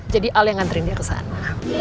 jadi al yang ngantriin dia kesana